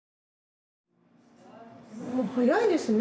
早いですね